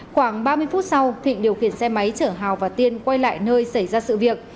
khoảng ba mươi phút sau thịnh điều khiển xe máy chở hảo và tiên quay lại nơi xảy ra sự việc